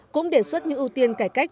cũng đề xuất những ưu tiên cải cách